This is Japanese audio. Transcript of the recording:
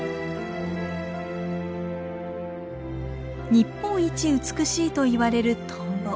日本一美しいといわれるトンボ。